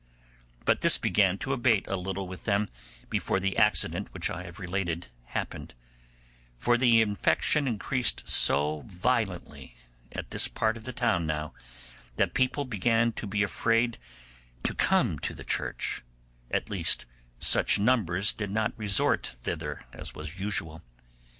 But this began to abate a little with them before the accident which I have related happened, for the infection increased so violently at this part of the town now, that people began to be afraid to come to the church; at least such numbers did not resort thither as was usual.